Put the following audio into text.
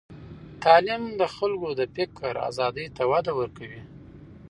تعلیم د خلکو د فکر آزادۍ ته وده ورکوي.